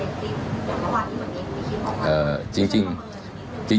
จากที่เราเห็นในคลิปอย่างเมื่อวานที่มันเองมีคลิปออกมา